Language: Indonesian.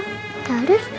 ma nggak ada